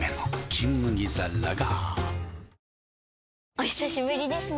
お久しぶりですね。